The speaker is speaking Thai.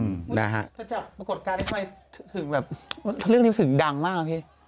เธอจากปรากฏการณ์ได้ไหมถึงแบบเรื่องนี้ถึงดังมากนะพี่